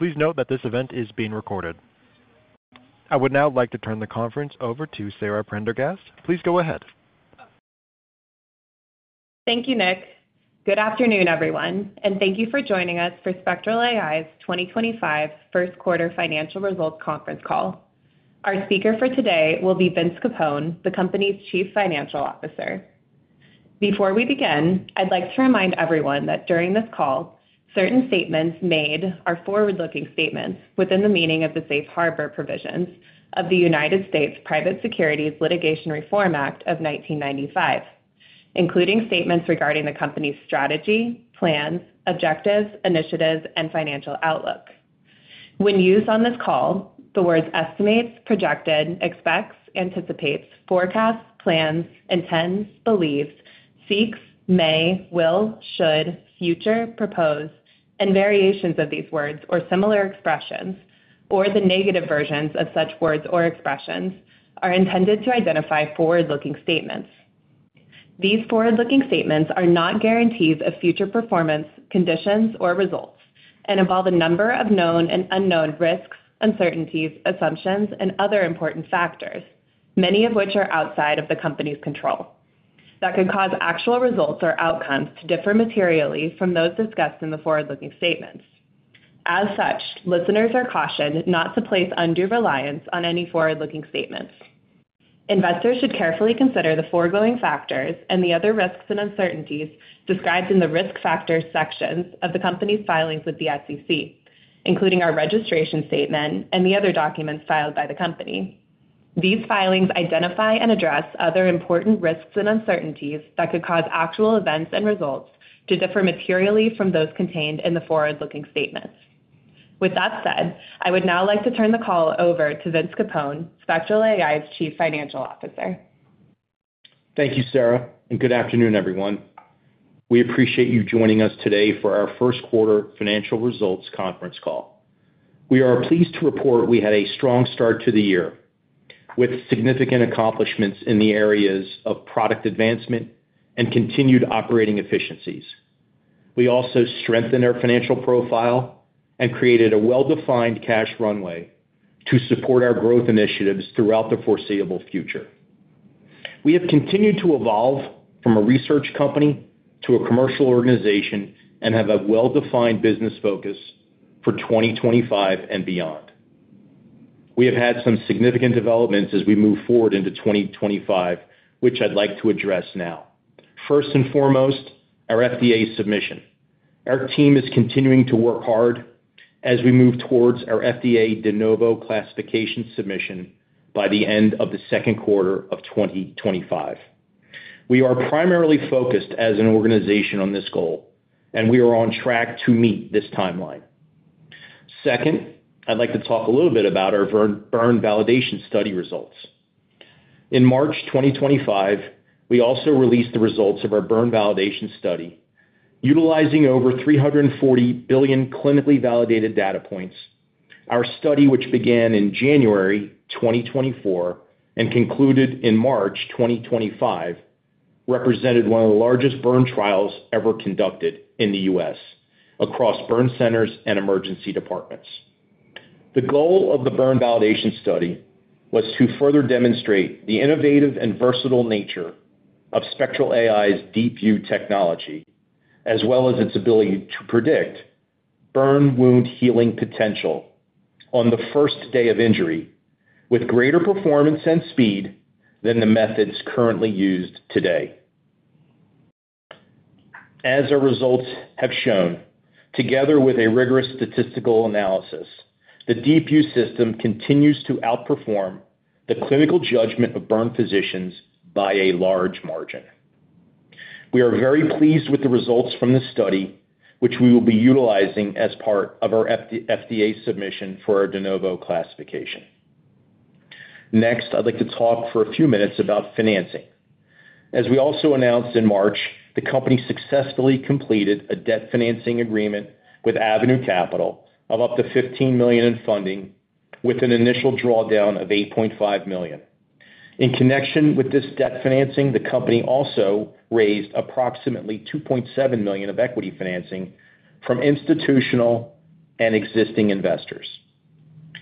Please note that this event is being recorded. I would now like to turn the conference over to Sara Prendergast. Please go ahead. Thank you, Nick. Good afternoon, everyone, and thank you for joining us for Spectral AI's 2025 First Quarter Financial Results Conference Call. Our speaker for today will be Vince Capone, the company's Chief Financial Officer. Before we begin, I'd like to remind everyone that during this call, certain statements made are forward-looking statements within the meaning of the safe harbor provisions of the U.S. Private Securities Litigation Reform Act of 1995, including statements regarding the company's strategy, plans, objectives, initiatives, and financial outlook. When used on this call, the words estimates, projected, expects, anticipates, forecasts, plans, intends, believes, seeks, may, will, should, future, propose, and variations of these words or similar expressions, or the negative versions of such words or expressions, are intended to identify forward-looking statements. These forward-looking statements are not guarantees of future performance, conditions, or results, and involve a number of known and unknown risks, uncertainties, assumptions, and other important factors, many of which are outside of the company's control. That could cause actual results or outcomes to differ materially from those discussed in the forward-looking statements. As such, listeners are cautioned not to place undue reliance on any forward-looking statements. Investors should carefully consider the foregoing factors and the other risks and uncertainties described in the risk factors sections of the company's filings with the SEC, including our registration statement and the other documents filed by the company. These filings identify and address other important risks and uncertainties that could cause actual events and results to differ materially from those contained in the forward-looking statements. With that said, I would now like to turn the call over to Vince Capone, Spectral AI's Chief Financial Officer. Thank you, Sarah, and good afternoon, everyone. We appreciate you joining us today for our First Quarter Financial Results Conference Call. We are pleased to report we had a strong start to the year with significant accomplishments in the areas of product advancement and continued operating efficiencies. We also strengthened our financial profile and created a well-defined cash runway to support our growth initiatives throughout the foreseeable future. We have continued to evolve from a research company to a commercial organization and have a well-defined business focus for 2025 and beyond. We have had some significant developments as we move forward into 2025, which I'd like to address now. First and foremost, our FDA submission. Our team is continuing to work hard as we move towards our FDA de novo classification submission by the end of the second quarter of 2025. We are primarily focused as an organization on this goal, and we are on track to meet this timeline. Second, I'd like to talk a little bit about our burn validation study results. In March 2025, we also released the results of our burn validation study. Utilizing over 340 billion clinically validated data points, our study, which began in January 2024 and concluded in March 2025, represented one of the largest burn trials ever conducted in the U.S. across burn centers and emergency departments. The goal of the burn validation study was to further demonstrate the innovative and versatile nature of Spectral AI's DeepView technology, as well as its ability to predict burn wound healing potential on the first day of injury, with greater performance and speed than the methods currently used today. As our results have shown, together with a rigorous statistical analysis, the DeepView System continues to outperform the clinical judgment of burn physicians by a large margin. We are very pleased with the results from the study, which we will be utilizing as part of our FDA submission for our de novo classification. Next, I'd like to talk for a few minutes about financing. As we also announced in March, the company successfully completed a debt financing agreement with Avenue Capital of up to $15 million in funding, with an initial drawdown of $8.5 million. In connection with this debt financing, the company also raised approximately $2.7 million of equity financing from institutional and existing investors.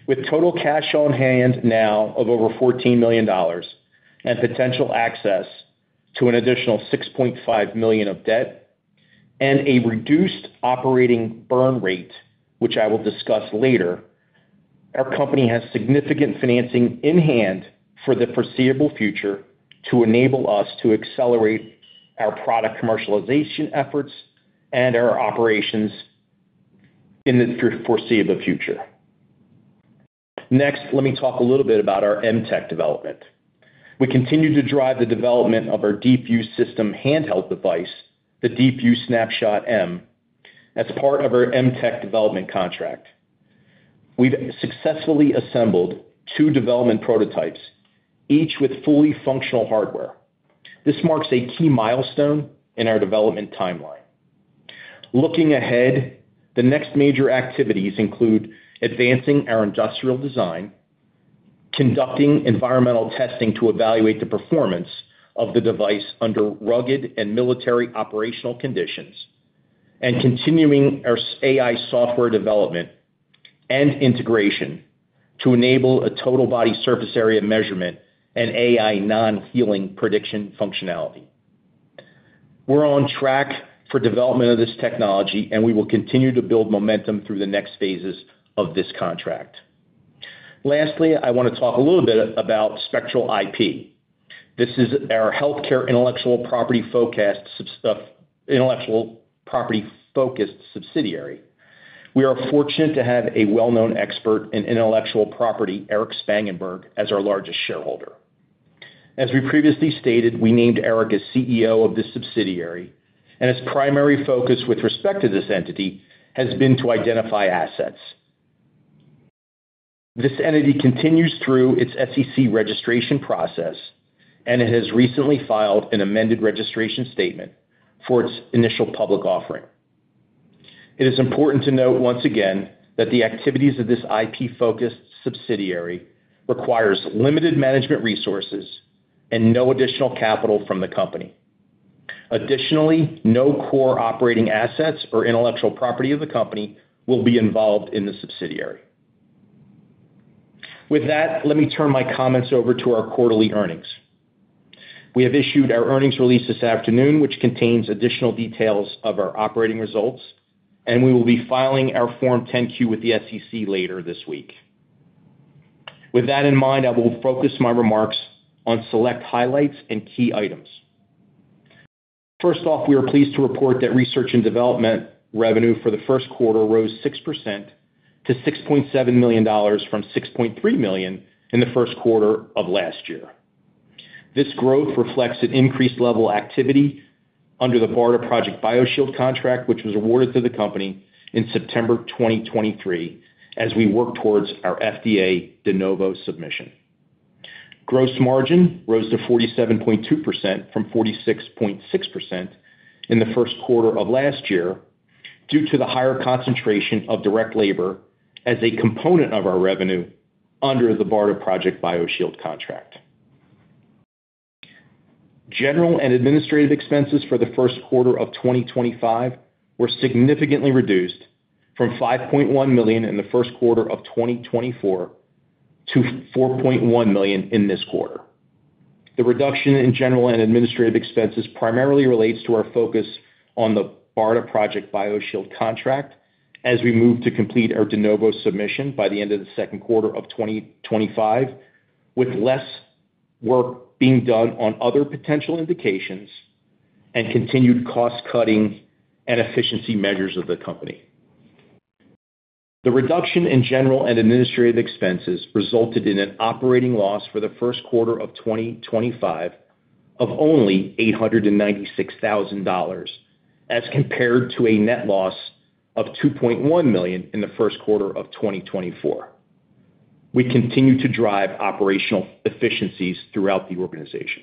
With total cash on hand now of over $14 million and potential access to an additional $6.5 million of debt and a reduced operating burn rate, which I will discuss later, our company has significant financing in hand for the foreseeable future to enable us to accelerate our product commercialization efforts and our operations in the foreseeable future. Next, let me talk a little bit about our MTEC development. We continue to drive the development of our DeepView System handheld device, the DeepView Snapshot M, as part of our MTEC development contract. We've successfully assembled two development prototypes, each with fully functional hardware. This marks a key milestone in our development timeline. Looking ahead, the next major activities include advancing our industrial design, conducting environmental testing to evaluate the performance of the device under rugged and military operational conditions, and continuing our AI software development and integration to enable a total body surface area measurement and AI non-healing prediction functionality. We're on track for development of this technology, and we will continue to build momentum through the next phases of this contract. Lastly, I want to talk a little bit about Spectral IP. This is our healthcare intellectual property focused subsidiary. We are fortunate to have a well-known expert in intellectual property, Erich Spangenberg, as our largest shareholder. As we previously stated, we named Erich as CEO of this subsidiary, and its primary focus with respect to this entity has been to identify assets. This entity continues through its SEC registration process, and it has recently filed an amended registration statement for its initial public offering. It is important to note once again that the activities of this IP-focused subsidiary require limited management resources and no additional capital from the company. Additionally, no core operating assets or intellectual property of the company will be involved in the subsidiary. With that, let me turn my comments over to our quarterly earnings. We have issued our earnings release this afternoon, which contains additional details of our operating results, and we will be filing our Form 10-Q with the SEC later this week. With that in mind, I will focus my remarks on select highlights and key items. First off, we are pleased to report that research and development revenue for the first quarter rose 6% to $6.7 million from $6.3 million in the first quarter of last year. This growth reflects an increased level of activity under the BARDA Project BioShield contract, which was awarded to the company in September 2023 as we work towards our FDA de novo submission. Gross margin rose to 47.2% from 46.6% in the first quarter of last year due to the higher concentration of direct labor as a component of our revenue under the BARDA Project BioShield contract. General and administrative expenses for the first quarter of 2025 were significantly reduced from $5.1 million in the first quarter of 2024 to $4.1 million in this quarter. The reduction in general and administrative expenses primarily relates to our focus on the BARDA Project BioShield contract as we move to complete our de novo submission by the end of the second quarter of 2025, with less work being done on other potential indications and continued cost-cutting and efficiency measures of the company. The reduction in general and administrative expenses resulted in an operating loss for the first quarter of 2025 of only $896,000 as compared to a net loss of $2.1 million in the first quarter of 2024. We continue to drive operational efficiencies throughout the organization.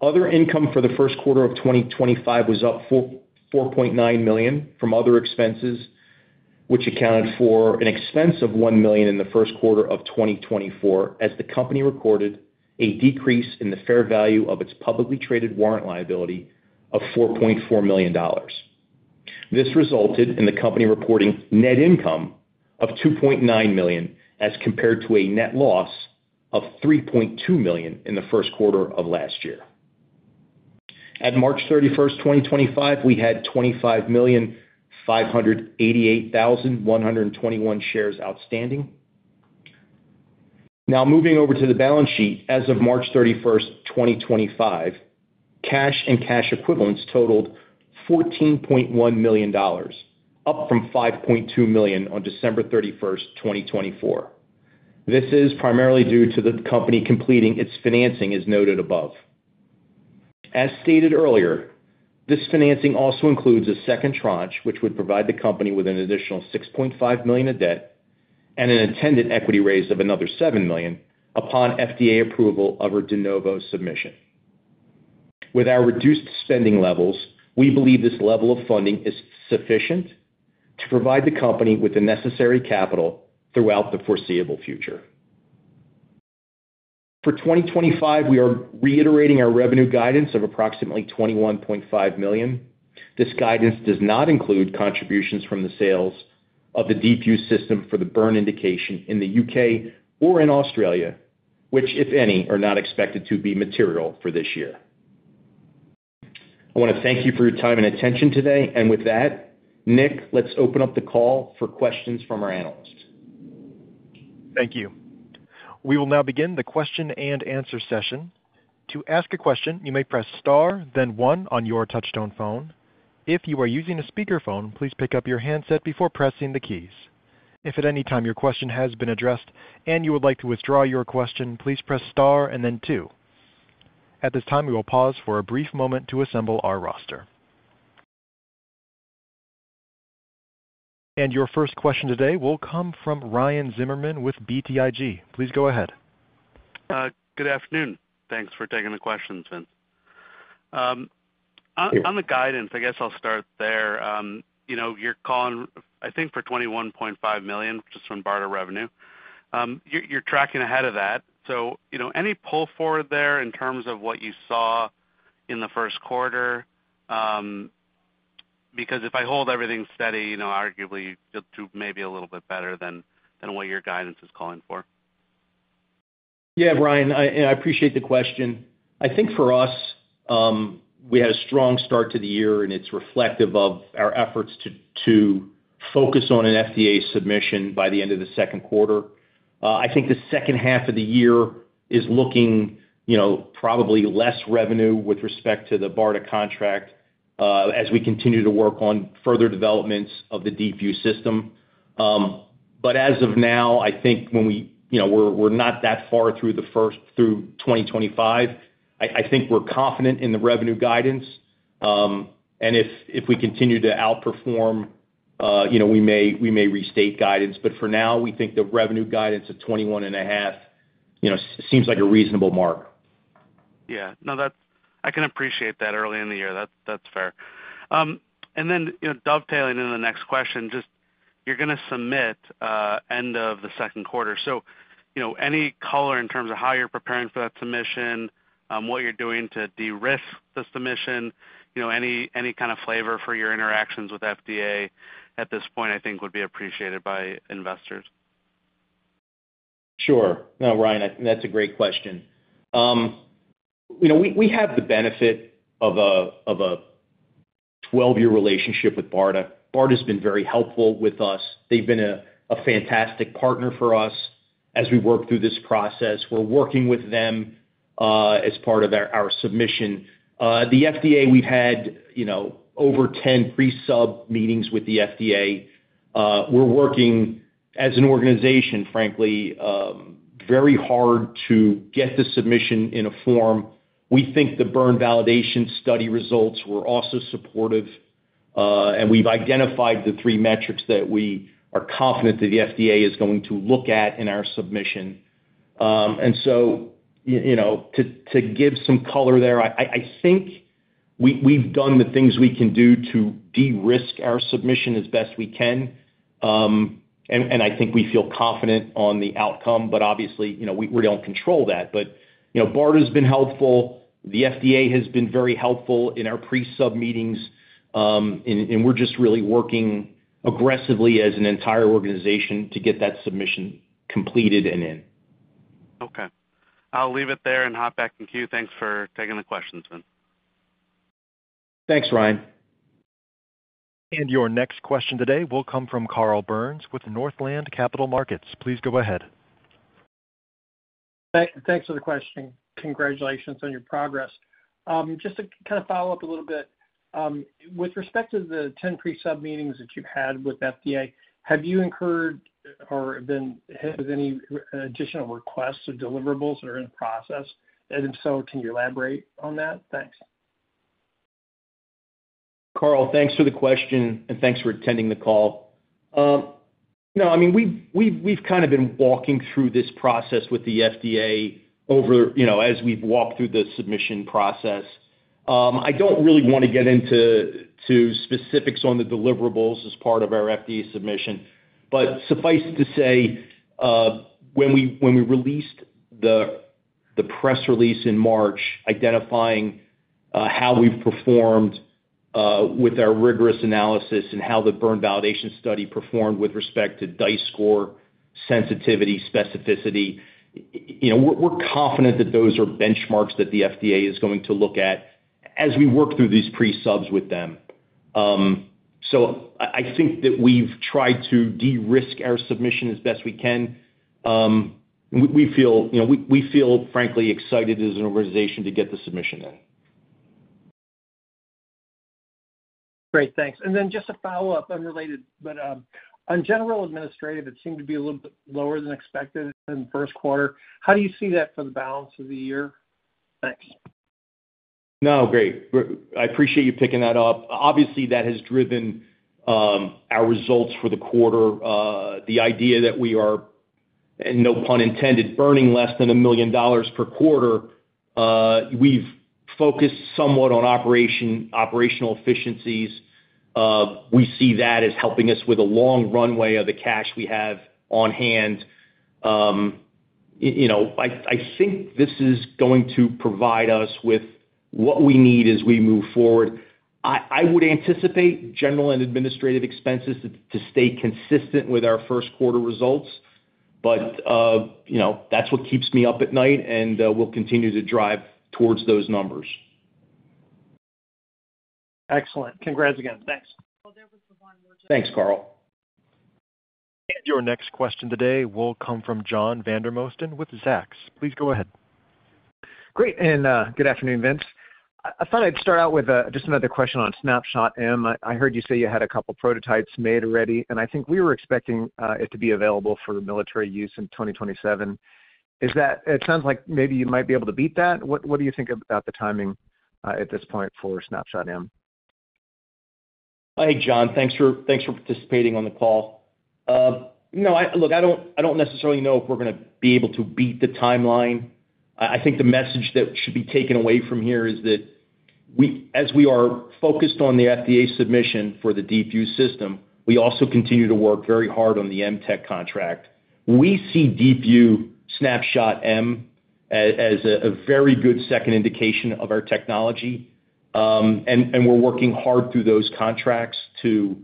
Other income for the first quarter of 2025 was up $4.9 million from other expenses, which accounted for an expense of $1 million in the first quarter of 2024, as the company recorded a decrease in the fair value of its publicly traded warrant liability of $4.4 million. This resulted in the company reporting net income of $2.9 million as compared to a net loss of $3.2 million in the first quarter of last year. At March 31, 2025, we had 25,588,121 shares outstanding. Now, moving over to the balance sheet, as of March 31, 2025, cash and cash equivalents totaled $14.1 million, up from $5.2 million on December 31, 2024. This is primarily due to the company completing its financing as noted above. As stated earlier, this financing also includes a second tranche, which would provide the company with an additional $6.5 million of debt and an intended equity raise of another $7 million upon FDA approval of our de novo submission. With our reduced spending levels, we believe this level of funding is sufficient to provide the company with the necessary capital throughout the foreseeable future. For 2025, we are reiterating our revenue guidance of approximately $21.5 million. This guidance does not include contributions from the sales of the DeepView System for the burn indication in the U.K. or in Australia, which, if any, are not expected to be material for this year. I want to thank you for your time and attention today. Nick, let's open up the call for questions from our analysts. Thank you. We will now begin the question and answer session. To ask a question, you may press star, then one on your touchstone phone. If you are using a speakerphone, please pick up your handset before pressing the keys. If at any time your question has been addressed and you would like to withdraw your question, please press star and then two. At this time, we will pause for a brief moment to assemble our roster. Your first question today will come from Ryan Zimmerman with BTIG. Please go ahead. Good afternoon. Thanks for taking the questions, Vince. On the guidance, I guess I'll start there. You're calling, I think, for $21.5 million just from BARDA revenue. You're tracking ahead of that. So any pull forward there in terms of what you saw in the first quarter? Because if I hold everything steady, arguably you'll do maybe a little bit better than what your guidance is calling for. Yeah, Ryan, I appreciate the question. I think for us, we had a strong start to the year, and it's reflective of our efforts to focus on an FDA submission by the end of the second quarter. I think the second half of the year is looking probably less revenue with respect to the BARDA contract as we continue to work on further developments of the DeepView System. As of now, I think when we're not that far through 2025, I think we're confident in the revenue guidance. If we continue to outperform, we may restate guidance. For now, we think the revenue guidance of $21.5 million seems like a reasonable mark. Yeah. No, I can appreciate that early in the year. That's fair. And then dovetailing into the next question, just you're going to submit end of the second quarter. So any color in terms of how you're preparing for that submission, what you're doing to de-risk the submission, any kind of flavor for your interactions with FDA at this point, I think, would be appreciated by investors. Sure. No, Ryan, that's a great question. We have the benefit of a 12-year relationship with BARDA. BARDA has been very helpful with us. They've been a fantastic partner for us as we work through this process. We're working with them as part of our submission. The FDA, we've had over 10 pre-sub meetings with the FDA. We're working, as an organization, frankly, very hard to get the submission in a form. We think the burn validation study results were also supportive, and we've identified the three metrics that we are confident that the FDA is going to look at in our submission. To give some color there, I think we've done the things we can do to de-risk our submission as best we can. I think we feel confident on the outcome, but obviously, we don't control that. BARDA has been helpful. The FDA has been very helpful in our pre-sub meetings, and we're just really working aggressively as an entire organization to get that submission completed and in. Okay. I'll leave it there and hop back in queue. Thanks for taking the questions, Vince. Thanks, Ryan. Your next question today will come from Carl Byrnes with Northland Capital Markets. Please go ahead. Thanks for the question. Congratulations on your progress. Just to kind of follow up a little bit, with respect to the 10 pre-sub meetings that you've had with FDA, have you incurred or been hit with any additional requests or deliverables that are in process? If so, can you elaborate on that? Thanks. Carl, thanks for the question, and thanks for attending the call. No, I mean, we've kind of been walking through this process with the FDA as we've walked through the submission process. I don't really want to get into specifics on the deliverables as part of our FDA submission, but suffice to say, when we released the press release in March, identifying how we've performed with our rigorous analysis and how the burn validation study performed with respect to Dice score, sensitivity, specificity, we're confident that those are benchmarks that the FDA is going to look at as we work through these pre-subs with them. I think that we've tried to de-risk our submission as best we can. We feel, frankly, excited as an organization to get the submission in. Great. Thanks. Just a follow-up unrelated, but on general administrative, it seemed to be a little bit lower than expected in the first quarter. How do you see that for the balance of the year? Thanks. No, great. I appreciate you picking that up. Obviously, that has driven our results for the quarter. The idea that we are, no pun intended, burning less than $1 million per quarter, we've focused somewhat on operational efficiencies. We see that as helping us with a long runway of the cash we have on hand. I think this is going to provide us with what we need as we move forward. I would anticipate general and administrative expenses to stay consistent with our first quarter results, but that's what keeps me up at night, and we'll continue to drive towards those numbers. Excellent. Congrats again. Thanks. Thanks, Carl. Your next question today will come from John Vandermosten with Zacks. Please go ahead. Great. Good afternoon, Vince. I thought I'd start out with just another question on Snapshot M. I heard you say you had a couple of prototypes made already, and I think we were expecting it to be available for military use in 2027. It sounds like maybe you might be able to beat that. What do you think about the timing at this point for Snapshot M? Hi, John. Thanks for participating on the call. No, look, I do not necessarily know if we are going to be able to beat the timeline. I think the message that should be taken away from here is that as we are focused on the FDA submission for the DeepView System, we also continue to work very hard on the MTEC contract. We see DeepView Snapshot M as a very good second indication of our technology, and we are working hard through those contracts to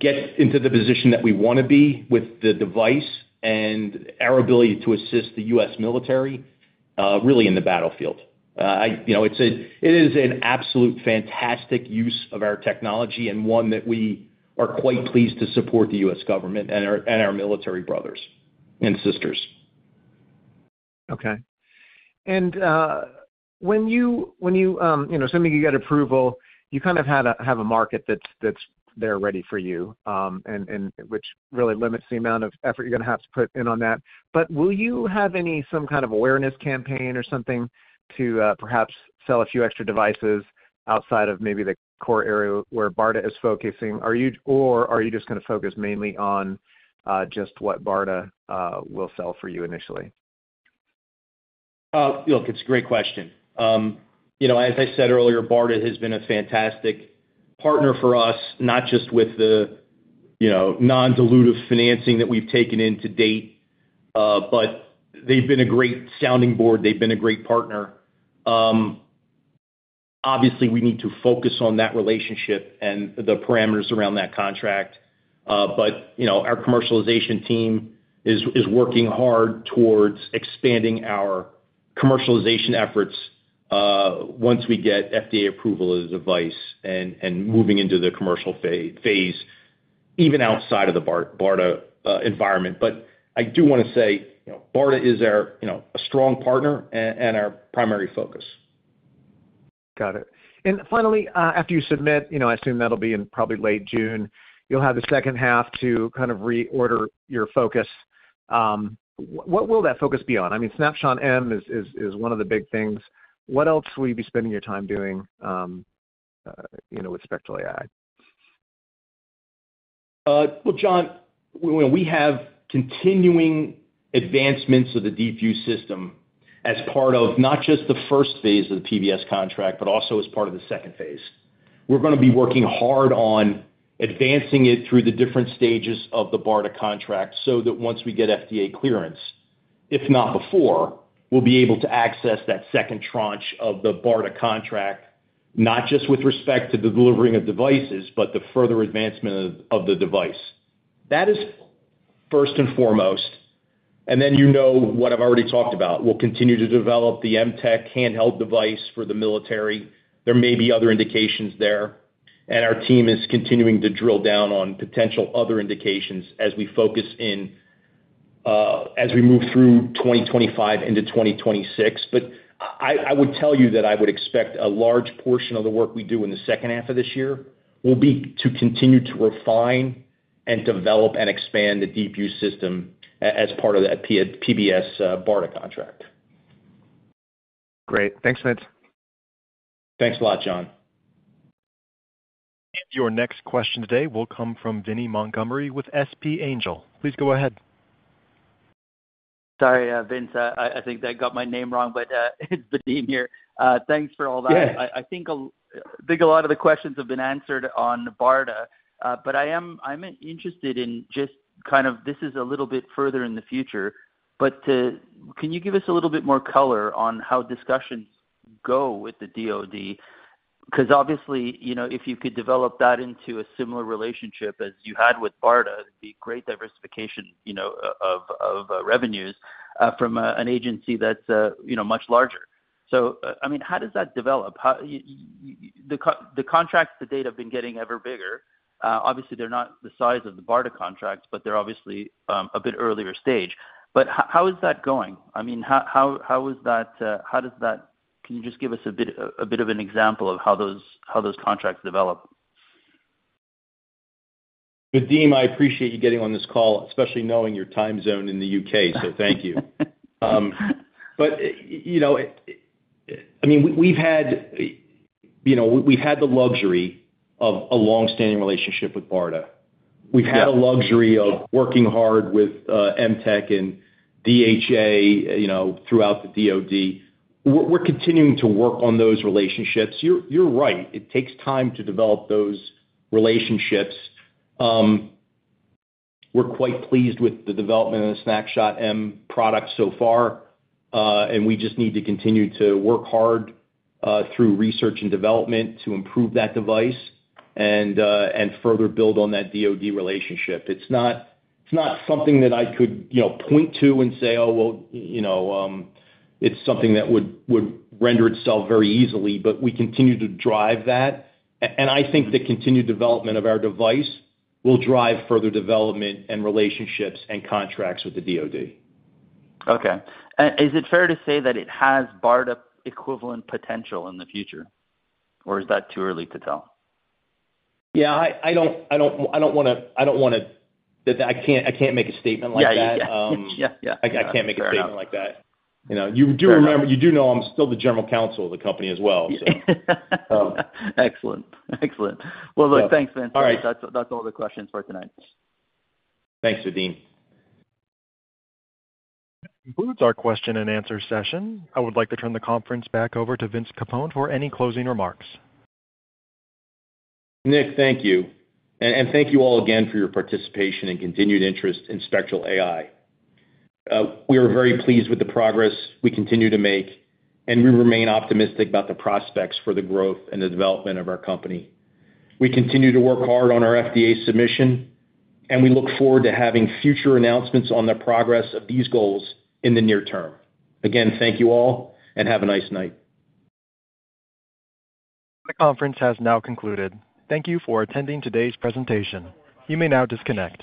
get into the position that we want to be with the device and our ability to assist the U.S. military really in the battlefield. It is an absolute fantastic use of our technology and one that we are quite pleased to support the U.S. government and our military brothers and sisters. Okay. When you, assuming you get approval, you kind of have a market that's there ready for you, which really limits the amount of effort you're going to have to put in on that. Will you have some kind of awareness campaign or something to perhaps sell a few extra devices outside of maybe the core area where BARDA is focusing, or are you just going to focus mainly on just what BARDA will sell for you initially? Look, it's a great question. As I said earlier, BARDA has been a fantastic partner for us, not just with the non-dilutive financing that we've taken in to date, but they've been a great sounding board. They've been a great partner. Obviously, we need to focus on that relationship and the parameters around that contract. Our commercialization team is working hard towards expanding our commercialization efforts once we get FDA approval of the device and moving into the commercial phase, even outside of the BARDA environment. I do want to say BARDA is a strong partner and our primary focus. Got it. And finally, after you submit, I assume that'll be in probably late June, you'll have the second half to kind of reorder your focus. What will that focus be on? I mean, Snapshot M is one of the big things. What else will you be spending your time doing with Spectral AI? John, we have continuing advancements of the DeepView System as part of not just the first phase of the PVS contract, but also as part of the second phase. We're going to be working hard on advancing it through the different stages of the BARDA contract so that once we get FDA clearance, if not before, we'll be able to access that second tranche of the BARDA contract, not just with respect to the delivering of devices, but the further advancement of the device. That is first and foremost. You know what I've already talked about. We'll continue to develop the MTEC handheld device for the military. There may be other indications there. Our team is continuing to drill down on potential other indications as we focus in as we move through 2025 into 2026. I would tell you that I would expect a large portion of the work we do in the second half of this year will be to continue to refine and develop and expand the DeepView System as part of that BARDA contract. Great. Thanks, Vince. Thanks a lot, John. Your next question today will come from Vinny Montgomery with SP Angel. Please go ahead. Sorry, Vince. I think I got my name wrong, but it's Vinny here. Thanks for all that. I think a lot of the questions have been answered on BARDA, but I'm interested in just kind of this is a little bit further in the future, but can you give us a little bit more color on how discussions go with the DOD? Because obviously, if you could develop that into a similar relationship as you had with BARDA, it'd be great diversification of revenues from an agency that's much larger. I mean, how does that develop? The contracts to date have been getting ever bigger. Obviously, they're not the size of the BARDA contracts, but they're obviously a bit earlier stage. How is that going? I mean, can you just give us a bit of an example of how those contracts develop? Vadim, I appreciate you getting on this call, especially knowing your time zone in the U.K., so thank you. I mean, we've had the luxury of a long-standing relationship with BARDA. We've had a luxury of working hard with MTEC and DHA throughout the DOD. We're continuing to work on those relationships. You're right. It takes time to develop those relationships. We're quite pleased with the development of the Snapshot M product so far, and we just need to continue to work hard through research and development to improve that device and further build on that DOD relationship. It's not something that I could point to and say, "Oh, well, it's something that would render itself very easily," but we continue to drive that. I think the continued development of our device will drive further development and relationships and contracts with the DOD. Okay. Is it fair to say that it has BARDA equivalent potential in the future, or is that too early to tell? Yeah. I don't want to, I can't make a statement like that. Yeah. Yeah. I can't make a statement like that. You do remember, you do know I'm still the General Counsel of the company as well, so. Excellent. Excellent. Look, thanks, Vince. That's all the questions for tonight. Thanks, Vadim. That concludes our question-and-answer session. I would like to turn the conference back over to Vince Capone for any closing remarks. Nick, thank you. Thank you all again for your participation and continued interest in Spectral AI. We are very pleased with the progress we continue to make, and we remain optimistic about the prospects for the growth and the development of our company. We continue to work hard on our FDA submission, and we look forward to having future announcements on the progress of these goals in the near term. Again, thank you all, and have a nice night. The conference has now concluded. Thank you for attending today's presentation. You may now disconnect.